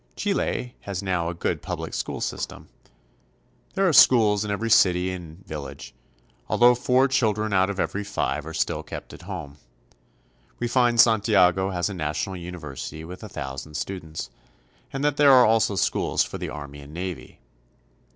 Chile has now a good public school system. There are schools in every city and vil lage, although four children out of every five are still kept at home. We find Santiago has a national university with a thousand students, and that there are also schools for the army and navy.